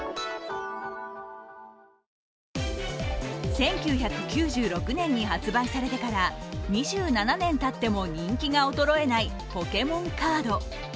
１９９６年に発売されてから２７年たっても人気が衰えないポケモンカード。